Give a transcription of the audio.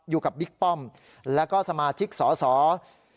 อยู่กับบิ๊กป้อมและก็สมาชิกสาว